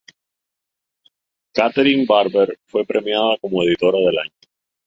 Katherine Barber fue premiada como editora del año.